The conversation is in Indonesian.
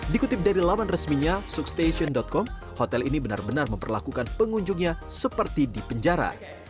dikutip dari laman resminya sukstation com hotel ini benar benar memperlakukan pengunjungnya seperti di penjara